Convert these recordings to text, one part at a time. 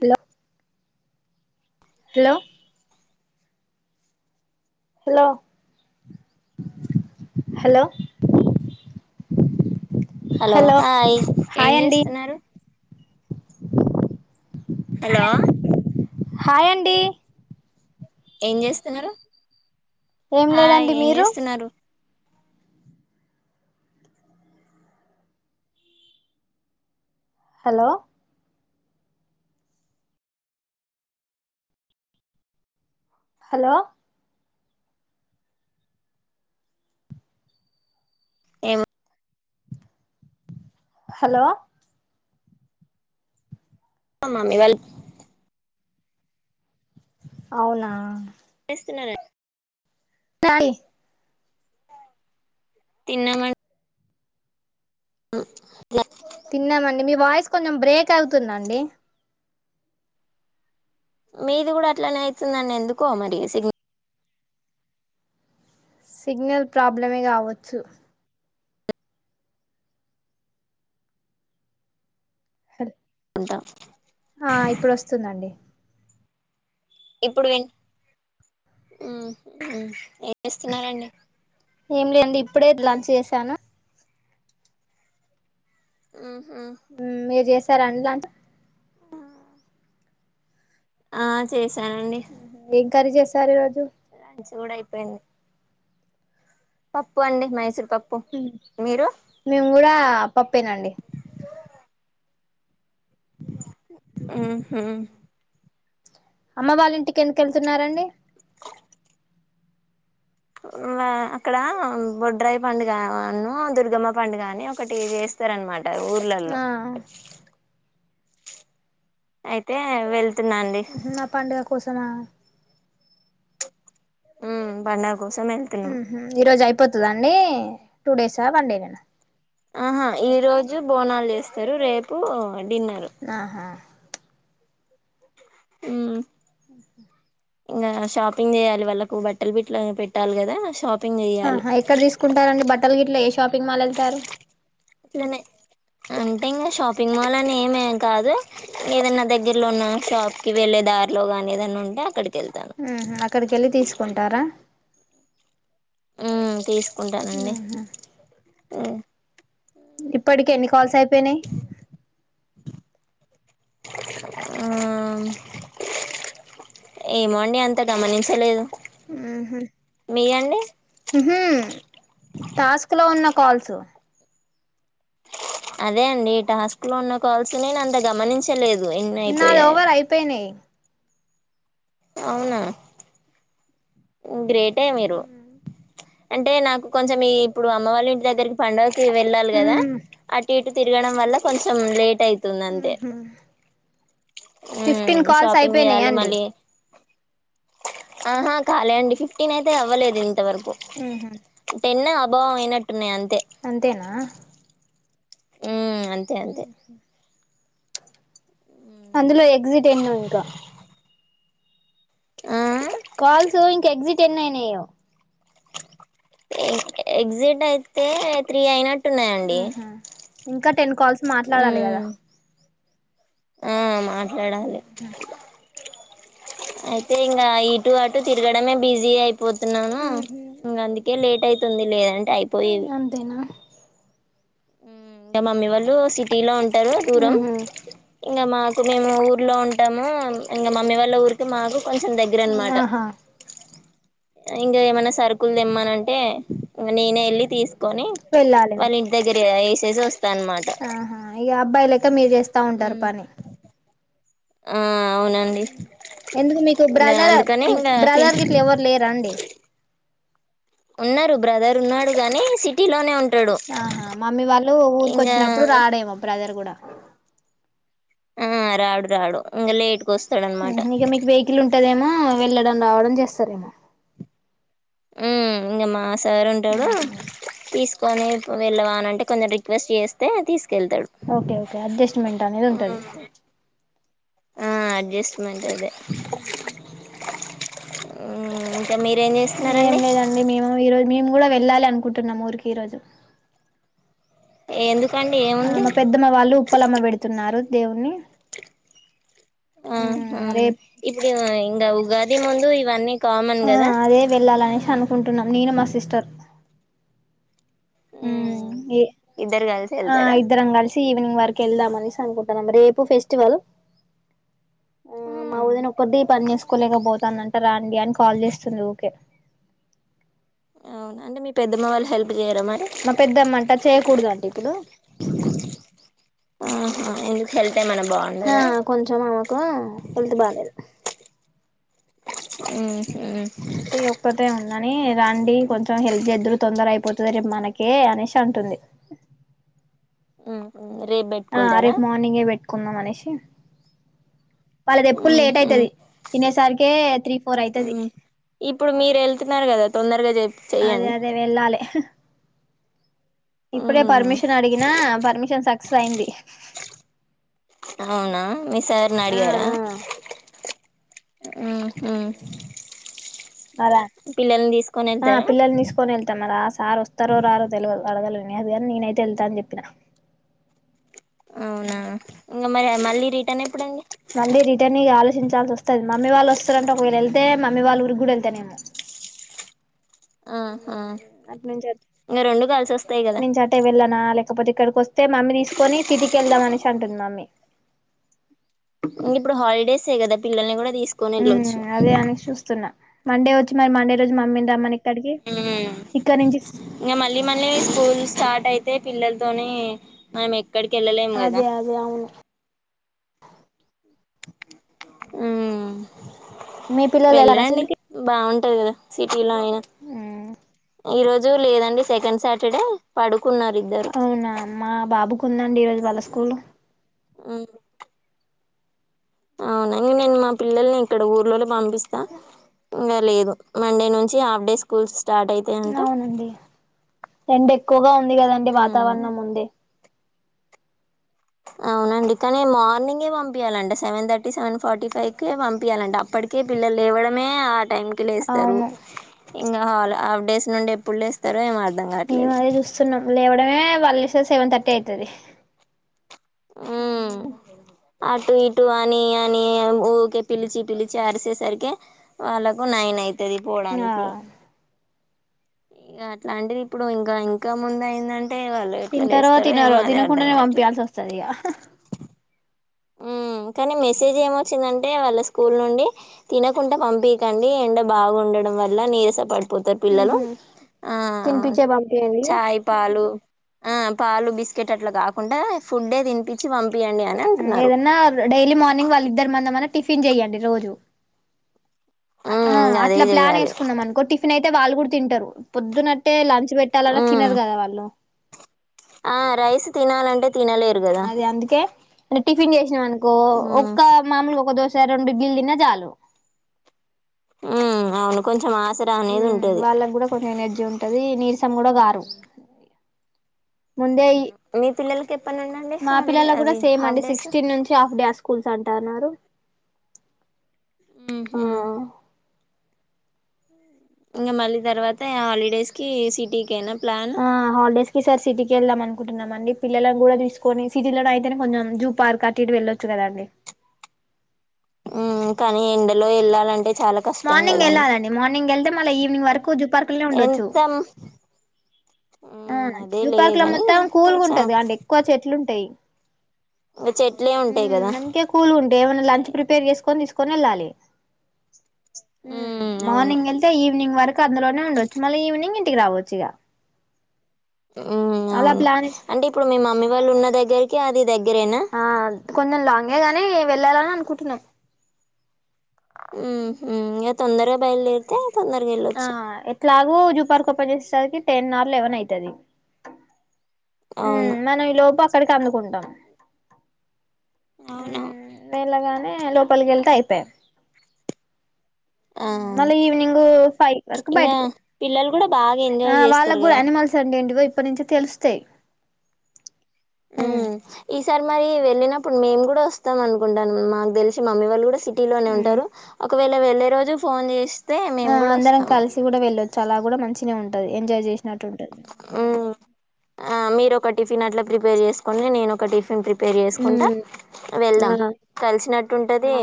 Hello hello hello hello hello hi ఏం hi అండి చేస్తున్నారు హలో హాయ్ అండి ఏం చేస్తున్నారు ఏం హాయ్ లేదండి ఏం మీరు చేస్తున్నారు హలో హలో ఎం హలో మామి వెల్ అవునా చేస్తున్నారు టాయి్ తిన్నం తిన్నామండి మీ వాయిస్ కొంచెం బ్రేక్ అవుతుందండి మీది కూడా అట్లనే అవుతుందని ఎందుకో మరి సిగ్న సిగ్నల్ ప్రాబ్లమే కావచ్చు హ అంట వస్తుందండి ఇప్పుడు విం ఏం లేండి ఇప్పుడే లంచ్ చేసాను హ్మ్ హ్మ్ మీర్ చేస్ సరే అం ఆ చెస్ ఎంకరీ చేస్ సరే లంచ్ కూడ అయిపోయింది పప్పు అండి మైసూర్ పప్పు హ్మ్ మీరు మేము గూడా పప్పేనండి హ్మ్ హ్మ్ అమ్మ వాళ్ ఇంటికి ఎందుక ఎళ్తున్నారండి అక్కడ బొడ్రాయి పండుగను దుర్గమ్మ పండు అని ఒకటి చేస్తారనమాట ఊర్లలో ఆ అయితే వెళ్ ఊహు పండగ కోస సమ హ్మ్ పండు కోసం ఎల్తున్నాం పోతుదా అండి టూ డేసా వన్ డే న ఆహా ఈ రోజు బోనాలు చేస్తారు రేపు డిన్నర్ ఆహా హ్మ్ ఆ ఒకే ఇంకా షాపింగ్ చేయాలి వాళ్ళకు బట్టలు బిట్టలు పెట్టాలి కదా షాపి ఆహా ఎక్కడ తీసుకుంటార అండి బట్టలు గిట్ల ఎస్ షాపింగ్ మాల్ వెళ్తారు అట్లనే అంటే ఇంకా షాపింగ్ మాల్ అని ఏం కాదు. ఏదైనా దగ్గరలో ఉన్న షాప్ కి వెళ్ళే దారిలో గాని, ఏదన్నా ఉంటే అక్కడికి వెళ్తాను ఉహు అక్కడికి వెళ్ళి తీసుకుంటారా. హ్మ్ తీసు కుంటానండి ఉహు ఇప్పటికి ఎన్ని కాల్స్ అయిపోయినాయ్ ఆ ఏమోండి అంత గమనించలేదు. ఉహు మీరండి మ్ హు టాస్కులో ఉన్న కాల్స్ అదే అండి ఈ టాస్క్ లో ఉన్న కాల్సిని నేను అంత గమనించలేదు ఎన్ని నాది అయిపోయాయో ఓవర్ అయిపోయినాయి అవునా గ్రేట్ అంటే మీరు అంటే నాకు కొంచెం ఈ ఇప్పుడు అమ్మ వాళ్ళ ఇంటి దగ్గరి పండగ వెళ్ళాలి కదా ఉమ్ అటు ఇట్ తిరగడం వల్ల కొంచెం లేట్ అయితుంది అంతే ఉహు ఫిఫ్టీన్ ఉమ్ కాల్స్ షాపింగ్ అయిపోయినాయా చేయాలి అండి మళ్ళీ ఆహా కాలే అండి ఫిఫ్టీన్ అయితే అవ్వలేదు. ఇంతవరకు ఉహు అన్న అబ్ బాయినట్ అంతేనా ఊ సరే అందులో ఎగ్జిట్ ఎన్నో ఇంకా ఆ కాల్స్ ఇంకా ఎగ్జిట్ ఎన్ని అయినాయో ఎక్జిట్ అయితే త్రీ అయినట్ ట్ ఉన్నాయండి ఇం ఇంకా టెన్ కాల్స్ మాట్లాడాలి కదా ఆ మామ ఎడాల అయితే ఇంకా ఇటు అటు తిరగడమే బిజీ అయిప్ పోతున్నాను ఇంకా అందుకే లేట్ అయితుంది లేదా అంటే అయిపోయేవి అంతేనా ఇంకా మమ్మీ వాళ్ళు సిటీ లో వుంట్ తర్వా దూరం ఉహు ఇంకా మాకు మేము ఊరిలో ఉంటాము ఇంకా మమ్మీ వాళ్ళ ఊరికి మాకు కొంచెం దగ్గర అన్నమాట ఆహా ఇంక ఏమైనా సరుకుల్ తెిమ్మనంటే నేనే ఎళ్ళి తీసుకు కొని వెళ్ళాలి వాళ్ళ ఇంటి దగ్గర వేస్ తెజస్ ఆహా ఇగ అబ్బాయిల క్ లెమ్మిదేస్ వస్తా ఉంటారు పని ఆ అవునండి ఎందుకు మీకు ఇంకా బ్రదర్ అందుకని ఇంకా బ్రదర్ గిట్లా ఎవరు లేరా అండి ఉన్నారు బ్రదర్ ఉన్నాడు గాని సిటీ లోనే ఉంట ఆహా మమ్మీ వాళ్ళు ఊరిక వచ్చినప్పుడు ఇంకా రాడేమో బ్రదర్ కూడా ఆ రాడు రాడు ఇంగ్ లేట్ ఇక మీకు వెహికల్ ఉంటదేమో వెళ్లడం రావడం చేస్ సరేనా మ్మ్ ఇంగ మాస్క్ సారు ఉంటాడు ఉహు తీసుకొని వెళ్ళవాల అంటే కొంచెం రిక్వెస్ట్ చేస్తే తీసుక్ ఓకే ఓకే అడ్జస్ట్మెంట్ అనేది ఉంటది ఆ అడ్జస్ట్మెంట్ అదే మ్మ్ హ్మ్ మ్మ్ ఇకా మీరేం ఏం చేస్తున్నారండి లేదండి మేము ఈరోజు మేము కూడా వెళ్ళాలి అనుకుంటున్నాం ఊరికి ఈరోజు ఎందు ఆ మా పెద్దమ్మ వాళ్ళు ఉప్పలమ్మ పెడుతున్నారు దవుని ఆ అహా ఇపుడు ఇంగా ఉగా ఇది ముందు ఇవన్నీ కామన్ ఆ కదా అదే వెళ్ళాలనేసి అనుకుంటున్నాం నేను మా సిస్టర్ మ్మ్ ఉమ్ ఏ ఇద్దరు కలిస వెల్తారా నింగ్ వరకి వెళ్దామని అనుకుంటున్నాం రేపు ఫెస్టివల్ ఆ మా ఊదని ఒక పద్దది ఈ పని చేసుకోలేక పోతుందింట రాండి అని కాల్ చేస్తుంది యుకే అవునా అండి మీ పెద్దమ్మ వాళ్ళ హల్ప్ మా పెద్దమ్మంట చేయకూడద అంటడి ఇప్పుడు చెయ్ ఆ కొంచెం ఆమెకు వెళ్తు బాలేదు ఉమ్ అయితే ఒక్కతే ఉందని రండి కొంచెం హెల్ప్ చేదురు తొందర అయిపో పోతుంది ర మనకే అనేసి అంటుంది ఉమ్ ఆ రేపు మార్నింగే పెట్టు కున్నా మనేషి వాళ్ళది ఎప్పుడు లేట్ ఉహు అవుతుది తినేసరికి త్రీ ఫోర్ అవుతుది ఉ ఇప్పుడు మీరు వెళ్తున్నారు కదా తొందరగా చె అదే చెయ్యండి అదే వెళ్ళాలి ఇప్పుడే పర్మిషన్ అడిగినా పర్మిషన్ సక్సెస్ అయింది అవునా మీ సార్ని అడిగారా ఉహు అద పిల్లల్ని తీసుకొని ఆ వెళ్తారా పిల్లలు తీసుకొని వెళ్తాం మరా సారు వస్తారో రారో తెలు అడగల విల్ ని అది కాని నేనైతే వెళ్తా అని చెప్పినా అవునా మరి మళ్ళీ రిటన్ ఎప్పుడండి మళ్ళీ రిటర్న్ ఆలోచించాల్సి వస్తుంది మమ్మీ వాళ్ళు వస్తారంటే ఒకవేళ వెళ్తే మమ్మీ వాళ్ళు ఊరికి కూడా వెళ్తానేమో ఆ అప్పనుంచి అ అటు అప్పనుంచి కలిసి అ వస్తాయి అటు కదా నుంచి అట్టే వెళ్ళాన లే ప్ట్ ఇకడికి వాస్ టీ మమ్మీ తీసుకొని సిటీ కెళ్దాం అనేసి అంటుంది మమ్మీ ఇంక ఇప్పుడు హాలిడేసే కదా పిల్లల్ని కూడా తీసుకొని వెళ్ళొచ్చు ఉమ్ అదే అని చూస్తున్నా మండే వచ్చినై మండే రోజు మమ్మీ రమణి ఉమ్ ఇగా మళ్ళీ మళ్ళీ స్కూల్స్ స్టార్ట్ అయితే పిల్లలతోని అయి ఎక్కడికెళ్ళలేం కదా అదే అదే అవును మ్మ్ మీ పిల్లలు ఎల్లరా స్కూలుకి ఉంటాయి గదా సిటీలో ఈ రోజు లేదండి సెకండ్ సాటర్డే పడు అవునా మా బాబుకు ఉందన్ ఉంది ఈ రోజు వాళ్ళ స్కూలు ఉ మ్మ్ అవునా ఇంగ నేను మా పిల్లల్ని ఇక్కడ ఊర్లోలోనే పంపిస్తా ఇంగ లేదు మండే నుంచి హాఫ్ డే స్కూల్స్. స్టార్ట్ అయ్యతాయ్ అంట అవునండి ఎండ ఎక్కువగా ఉంది కదండి వాతావరణం ముందే అవునండి కానీ మార్నింగే పంపియాలంట సెవెన్ థర్టీ సెవెన్ ఫార్టీ ఫైవ్కే పంపింయలంట అప్పటికే పిల్లలు లేవడమే టైం కి లేస్తరు అవును ఇంగ హాఫ్ డేస్ నుండి ఎప్పుడు లేస్తారొ ఏమో అర్థం మేము కావట్లేదు అదే చూస్తున్నాం లేవడమే వాళ్ళు ఇస్ సెవన్ థర్టీ అయితది ఉమ్ మ్మ్ ఊ అటు ఇటు అని అని ఊరికే పిలిచి పిలిచి అరిసేసరికే వాళ్ళకు నైన్ అయితాది ఆ తెగిపోడానికి ఇక అట్లాంటిది ఇప్పుడు ఇంకా ఇంకా ముందు అయిందని తింటరో తినరో తినకుండానే కావట్లేదు పంపయాల్సి వస్తది ఇగ మ్మ్ కానీ మెసేజ్ ఏమొచ్చిందంటే వాళ్ళ స్కూల్ నుండి తినకుండా పంపీకండి ఎండ బాగుండడం వల్ల నీరస పడు పోతా [inaudible] రు పిల్లలు ఉహు ఆ తినిపించే పంపియండి చాయ్ పాలు ఆ పాలు బిస్కెట్ అట్ల కాకుండా ఫుడే తినిపించి పంపియండి అన ఏదన్నా డైలీ మార్నింగ్ వాళ్ళు ఇద్దరు మందమని టిఫిన్ చెయ్యండి రోజు ఆ ఉమ్ అదే అట్లా ప్లాన్ చేయాలి వేసుకున్నాం అనుకో టిఫెన్ అయితే వాళ్ళు గూడ తింటరు పొద్దునట్టే లంచ్ పెట్టాలన్న ఉమ్ తినరు కదా వాళ్ళు ఆ రైస్ తినాలంటే తినలేరు కదా న్ టిఫన్ జేష్న అన్ కో ఉమ్ ఒక్క మామూలు ఒక దోస్ స రెండు ఇడ్లీలు దిన్న జాలు ఉ అవును కొంచెం ఆ ఉ వాళ్ళకు గూడా కొంచెం ఎనర్జీ ఉంటది నీర్స్ సం గూడా గారు ముందే ఈ మీ పిల్లలకి ఎప్పనుండండి హాలిడే కూడా అవి సేమ్ హాఫ్ అండి డేస్ సిక్స్టీన్ నుంచి హాఫ్ డే స్కూల్స్ అంటన్నారు ఊ హు ఇంగా మళ్ళీ తర్వాత హాలిడేస్ కి సిటీకేనా ప్లన్ ఈసారి సిటీకేళ్దాం అనుకుంటున్నామండి. పిల్లలన్ గుడా తీసుకొని సిజిలోనైతేనే. కొంజెం జూ పార్క్ అటు ఇటు వెళ్ళొచ్చు కదాండి ఉ కానీ ఎండలో వెళ్ళాలంటే చాలా కష్టం మార్నింగ్ కదండి ఎళ్ళాలిండి మార్నింగ్ వెళ్తే మళ్ళ ఈవినింగ్ వర్క్ కుజు పార్కల్నే ఉండొచ్చు ఎంత ఆ ఉమ్ అదే జూ లే పార్క్లో గాని మొత్తం కొంచెం కూల్గుంటది అండ్ ఎక్కువ చెట్లు ఉంటాయి ఇంగ చెట్లే ఊ ఉంటాయి కదా అందుకే కూల్గుంటయ్ ఏమైన్నా లంచ్ ప్రిపేర్ చేసుకొని తీస్ కొనేలలి హ్మ ఉమ్ అవును మార్నింగ్ ఎల్తే ఈవ్నింగ్ వరక్ అందులోనే ఉండొచ్చు మళ్ళీ ఈవినింగ్ ఇంటికి రావచ్చు ఇగ ఉ అవును అంటే ఇప్పుడు మీ మమ్మీ వాళ్ళు ఉన్న దగ్గరికి అది దెగ్ గేరేనా కొంజెం లాంగే గాని వెళ్ళాలని అనుకుంటున్నాం ఉమ్ ఇంగ తొందరగా బయలుదేరితే తొందరగా ఆ వెళ్ళొచ్చు ఎట్లాగు పర్క్ ఓపెన్ చేేస్సరికి టెన్ ఆర్ లెవెన్ అయితది ఉ అవును మనవి లో పాస్ క్కడికి అందుకుంటాం అవును ఉమ్ మేళగానే ఎ లోపల్గెతే అయిపే ఆ మళ్ళీ ఈవినింగ్ ఫైవ్ వరకు ఇంగా బయటకి పిల్లలు కూడా బాగా రా ఎంజాయ్ ఆ చేస్తారు వాళ్ళక్ గూడా కదా అనిమల్స్ అండెంటివో ఇప్ ఇప్పటి నుంచి తెలుస్తయి ఆ సార్ మరి వెళ్ళినప్పుడు మేము కూడా వస్తాం అనుకుంటాను మాకు తెలిసి మమ్మీ వాళ్ళు కూడా సిటి లోనే ఉమ్ ఉంటారు ఒకవేళ ఇలా వెళ్లే రోజు ఫోన్ చేస్ ఆ అందరం కలిసి కూడా వెళ్ళొ చ్చు అలా కూడా మంచినే ఉంటది ఎంజాయ్ చేస్ నటుంటది మ్మ్ ఆ మీరు ఒక టిఫిన్ అట్లా ప్రిపేర్ చేసుకోండి నేను ఒక టిఫిన్ ప్రి పేరు చేసుకుంటా ఉమ్ వెళ్దాం ఆ కలిసినట్టు టుంటది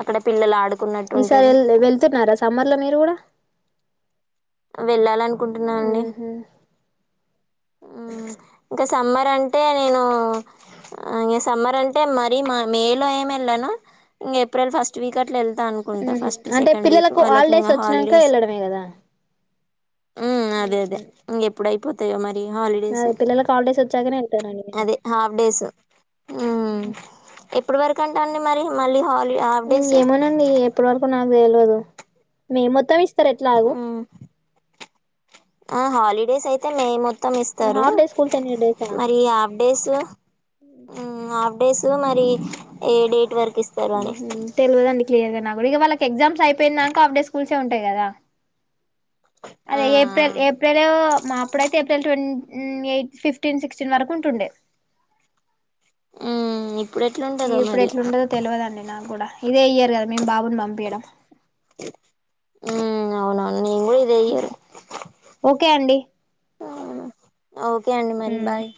అక్కడ పిల్లలు ఆడు ఈసారి ఎల్ వెళ్తున్నారా సమ్మర్ లో మీరు కూడా వెళ్ళాలనుకుంటున్నానండి ఉహు ఉ ఇంకా సమ్మర్ అంటే నేను ఇగ సమ్మర్ అంటే మరీ మా మే లో ఏం ఏళ్ళను ఇంగా ఏప్రిల్ ఫస్ట్ వీక్ అట్లా ఎల్ తా అనుకుంటా ఉహు ఫస్ట్ అంటే సెకండ్ వీక్ పిల్లలకు వాళ్ళకి హాలిడేస్ ఇంగ వచ్చినాక హాలిడేస్ వెళ్ళడమే కదా ఉ అదే అదే ఉమ్ ఇంగేప్పుడయిపో తే మరి హాలిడేస్ అదే పిల్లలకు హాలీడేస్ వచ్చాకనే వెళ్తానండి నేను అదే హాఫ్ డేస్ ఉ ఎప్పటి వరకంటండి మరి మళ్ళీ హాల్ ఏమోనండి ఎప్పటి వరకు నాకు తెల్వదు మే మొత్తం ఇస్ స్తరు ఎట్లాగు ఉమ్ ఆ హాలిడేస్ యితే మే మొత్తం మొత్తం ఇస్తారు హాఫ్ డే స్కూల్స్ ఎన్ని డేసా మరి హాఫ్ డేస్ ఉ హాఫ్ డేసో మరి ఏ డేట్ వర్ ఉహు తెల్వదండి క్లియర్ గా నా గూడ ఇగ వాళ్ళకి ఎగ్జామ్స్ అయిపోయిందాంక ఆఫ్ డే స్కూల్సే ఉంటాయి కదా ఆ అదే ఏప్రిల్ ఏప్రిలో మా అప్పుడైతే ఏప్రిల్ ట్వ ఎయిట్ ఫిఫ్టీన్ సిక్స్టీన్ వరకు ఉంటుండే ఊ ఇగ ఇప్పుడు ఎట్లుండదో తెల్వదండి నాకు గూడా ఇదే ఇయర్ కదా మేం బాబును పంపింయడం ఉ అవునా నేను గూడ ఇదే ఇయరు ఓకే అండి ఓకే అండి మరి ఉమ్ బాయ్